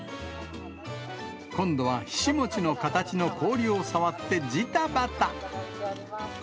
今度はひし餅の形の氷を触ってじたばた。